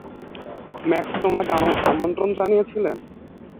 Max তোমাকে আমন্ত্রণ জানিয়েছিল?